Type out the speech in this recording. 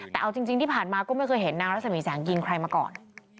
แต่เอาจริงที่ผ่านมาก็ไม่เคยเห็นนางรัศมีแสงยิงใครมาก่อน